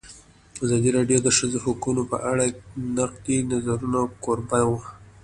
ازادي راډیو د د ښځو حقونه په اړه د نقدي نظرونو کوربه وه.